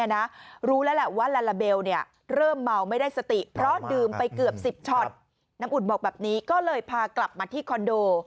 น้ำอุดบอกแบบนี้ก็เลยพากลับมาที่คอนโด